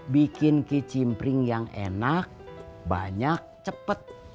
bikin kicimpring yang enak banyak cepet